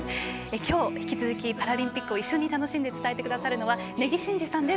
今日、引き続きパラリンピックを一緒に楽しんで伝えてくださるのは根木慎志さんです。